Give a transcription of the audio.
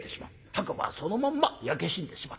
白馬はそのまんま焼け死んでしまった。